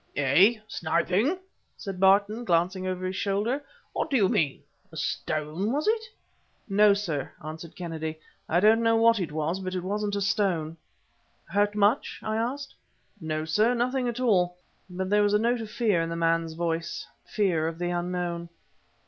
"Eh, sniping?" said Barton, glancing over his shoulder. "What d'you mean? A stone, was it?" "No, sir," answered Kennedy. "I don't know what it was but it wasn't a stone." "Hurt much?" I asked. "No, sir! nothing at all." But there was a note of fear in the man's voice fear of the unknown.